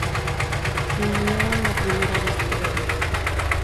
Me engañaron la primera vez que la vi.